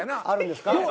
あるんですか？